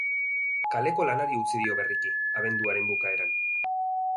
Kaleko lanari utzi dio berriki, abenduaren bukaeran.